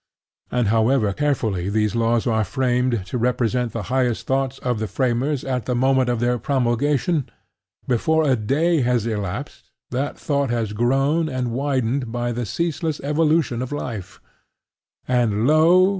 And however carefully these laws are framed to represent the highest thoughts of the framers at the moment of their promulgation, before a day has elapsed that thought has grown and widened by the ceaseless evolution of life; and lo!